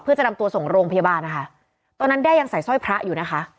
เพื่อจะนำตัวส่งโรงพยาบาลนะคะตอนนั้นแด้ยังใส่สร้อยพระอยู่นะคะ